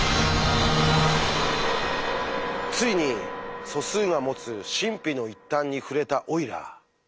ついに素数が持つ神秘の一端に触れたオイラー。